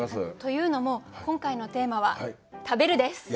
というのも今回のテーマは「食べる」です。